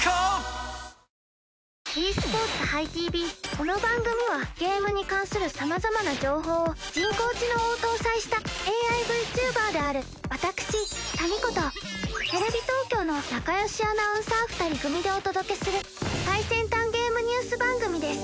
この番組はゲームに関する様々な情報を人工知能を搭載したＡＩ−Ｖｔｕｂｅｒである私タミ子とテレビ東京の仲よしアナウンサー２人組でお届けする最先端ゲームニュース番組です。